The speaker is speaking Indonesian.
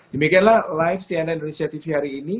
demikianlah live cnn indonesia tv hari ini